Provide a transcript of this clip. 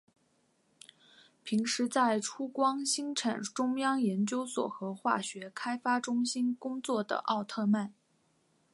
平时在出光兴产中央研究所和化学开发中心工作的奥特曼。